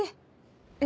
え？